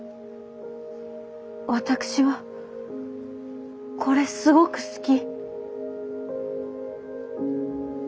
私はこれすごく好き。